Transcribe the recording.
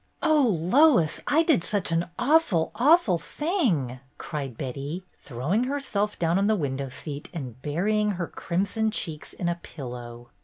"Oh, Lois, I did such an awful, awful thing!" cried Betty, throwing herself down on the window seat and burying her crimson cheeks in a pillow.